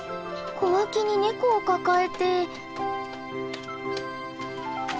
小脇にネコを抱えて。